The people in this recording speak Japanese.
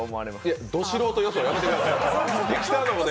いや、ど素人予想やめてください。